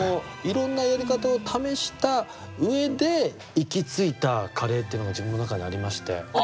いろんなやり方を試した上で行き着いたカレーっていうのが自分の中にありまして。